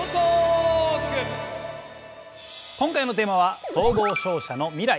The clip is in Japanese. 今回のテーマは「総合商社の未来」。